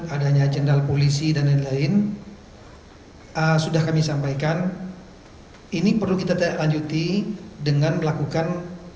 adanya jenderal polisi dan lain lain sudah kami sampaikan ini perlu kita lanjuti dengan melakukan